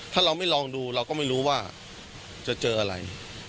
ถ้าเราไม่ลองดูเราก็ไม่รู้ว่าจะเจออะไร